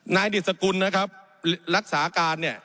ดิสกุลนะครับรักษาการเนี่ย